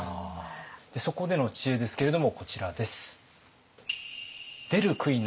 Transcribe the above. そこでの知恵ですけれどもこちらです。